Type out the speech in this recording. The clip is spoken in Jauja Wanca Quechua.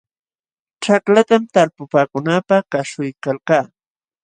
Ćhaklatam talpupaakunaapaq kaśhuykalkaa.